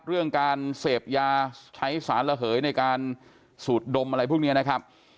เรื่องการเสพยาใช้สารระเหยในการสูดดมอะไรพวกนี้นะครับ